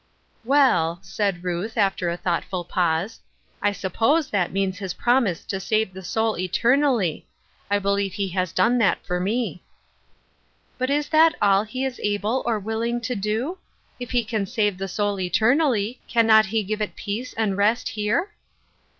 "" Well," said Ruth, after a thoughtful pause, " I suppose that means his promise to save the Looking for an JSasy Yoke, 207 soul eternally. I believe he has done that for me. " But is that aU he is able or willing to do ? If he can save the soul eternally can not he give it peace and rest here